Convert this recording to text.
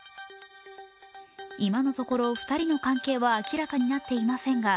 今のところ２人の関係は明らかになっていませんが